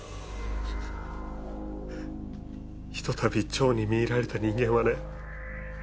ひとたび蝶に魅入られた人間はね